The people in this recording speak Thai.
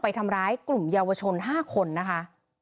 ทำร้ายกลุ่มเยาวชน๕คนนะคะ